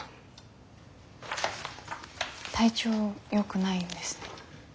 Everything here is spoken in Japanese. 体調よくないんですね。